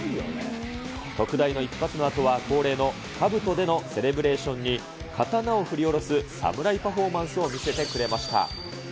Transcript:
特大の一発のあとは、恒例のかぶとでのセレブレーションに、刀を振り下ろす侍パフォーマンスを見せてくれました。